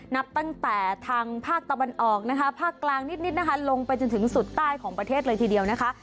นับตั้งแต่ทางภาคตะวันออกนะคะภาคกลางนิดนะคะลงไปจนถึงสุดใต้ของประเทศเลยทีเดียวนะคะ